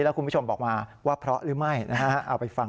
แล้วคุณผู้ชมบอกมาว่าเพราะหรือไม่นะฮะเอาไปฟัง